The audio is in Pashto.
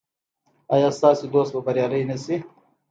ایا ستاسو دوست به بریالی نه شي؟